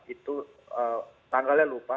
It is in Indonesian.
itu tanggalnya lupa